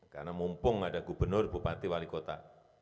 karena mumpung ada gubernur bupati wali kota